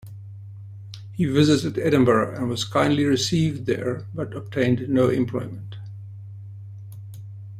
He visited Edinburgh, and was kindly received there, but obtained no employment.